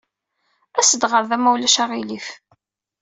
As-d ɣer da, ma ulac aɣilif.